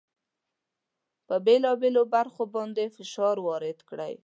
په بېلو بېلو برخو باندې فشار وارد کړئ.